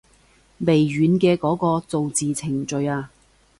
微軟嘅嗰個造字程式啊